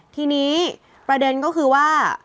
ทีนี้ประเด็นก็คือว่า